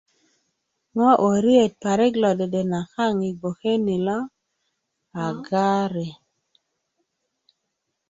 ŋo' wöriyet parik lo dedena kaaŋ yi gboke ni ilo a gari